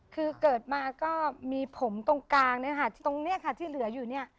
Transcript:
คือเกิดมาก็มีผมตรงกลางเนี่ยค่ะตรงนี้ค่ะที่เหลืออยู่เนี่ย